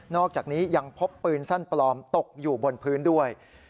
อกจากนี้ยังพบปืนสั้นปลอมตกอยู่บนพื้นด้วย